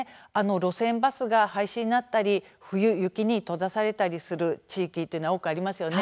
路線バスが廃止になったり冬、雪に閉ざされたりする地域というのは多くありますよね。